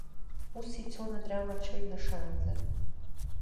Ус ицон адрама аҽеиҩнашаанӡа.